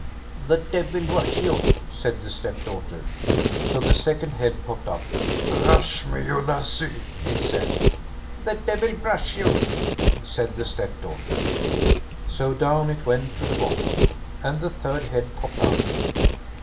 "The Deil wash you", said the stepdaughter. So the second head popped up. "Brush me, you lassie", it said. "The Deil brush you", said the stepdaughter. So down it went to the bottom, and the third head popped up.